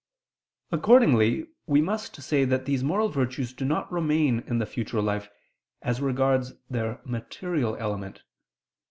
Accordingly we must say that these moral virtues do not remain in the future life, as regards their material element.